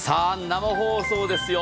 生放送ですよ。